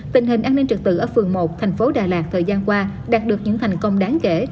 tình hình an ninh trực tự ở phường một thành phố đà lạt thời gian qua đạt được những thành công đáng kể